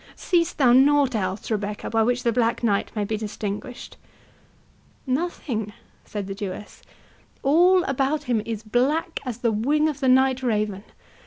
—seest thou nought else, Rebecca, by which the Black Knight may be distinguished?" "Nothing," said the Jewess; "all about him is black as the wing of the night raven.